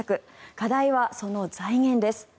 課題はその財源です。